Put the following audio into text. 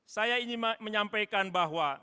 saya ingin menyampaikan bahwa